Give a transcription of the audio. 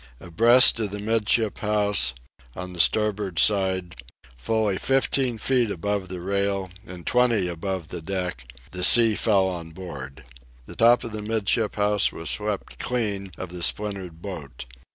Abreast of the 'midship house, on the starboard side, fully fifteen feet above the rail and twenty above the deck, the sea fell on board. The top of the 'midship house was swept clean of the splintered boat.